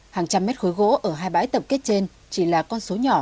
hàng trăm mét khối gỗ ở hai bãi tập kết trên chỉ là con số nhỏ